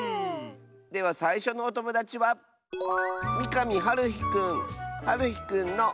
ではさいしょのおともだちははるひくんの。